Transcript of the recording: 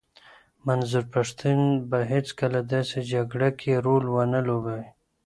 منظور پښتین به هیڅکله داسي جګړه کي رول ونه لوبوي.